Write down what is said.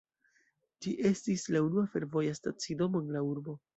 Ĝi estis la unua fervoja stacidomo en la urbo.